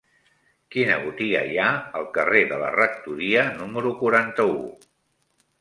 Quina botiga hi ha al carrer de la Rectoria número quaranta-u?